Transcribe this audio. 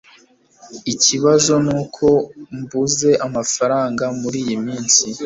Ikibazo nuko mbuze amafaranga muriyi minsi